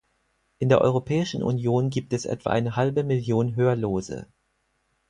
In der Europäischen Union gibt es etwa eine halbe Million Hörlose.